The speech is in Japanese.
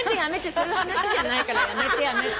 そういう話じゃないからやめてやめて。